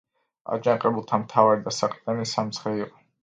აჯანყებულთა მთავარი დასაყრდენი სამცხე იყო.